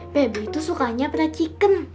febley tuh sukanya pedas chicken